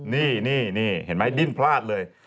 นี่เห็นไหมดิ้นพลาดเลย